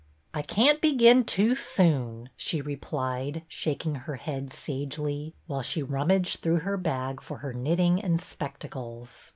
" I can't begin too soon," she replied, shak ing her head sagely, while she rummaged through her bag for her knitting and spec tacles.